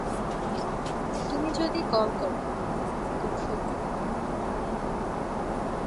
তুমি যদি কল কর, আমি কৌশল করব।